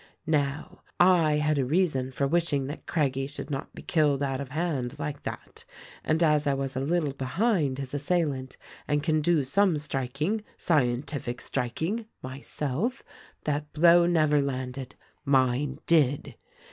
"Now, I had a reason for wishing that Craggie should not be killed out of hand like that ; and as I was a little behind his assailant and can do some striking — scientific striking — mvself, that blow never landed. "Mine d'id.